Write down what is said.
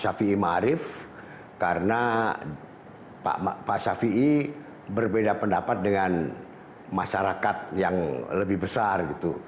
saya juga melihat pak syafiee ma'arif karena pak syafiee berbeda pendapat dengan masyarakat yang lebih besar